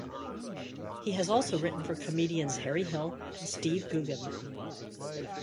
He has also written for comedians Harry Hill and Steve Coogan.